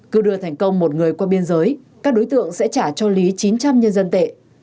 cứ đưa thành công một người qua biên giới các đối tượng sẽ trả cho lý chín trăm linh nhân dân tệ